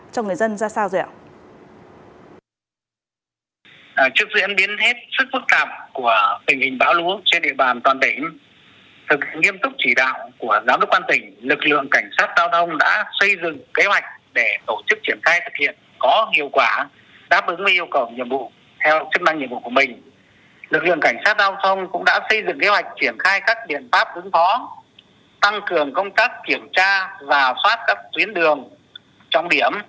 trong người dân ra sao rồi ạ